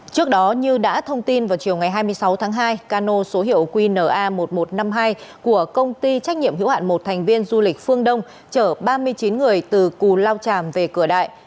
trước đó như đã thông tin vào chiều ngày hai mươi sáu tháng hai cano số hiệu qna một nghìn một trăm năm mươi hai của công ty trách nhiệm hữu hạn một thành viên du lịch phương đông chở ba mươi chín người từ cù lao tràm về cửa đại